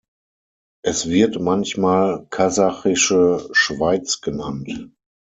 Es wird manchmal "Kasachische Schweiz" genannt.